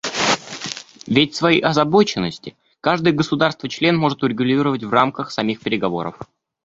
Ведь свои озабоченности каждое государство-член может урегулировать в рамках самих переговоров.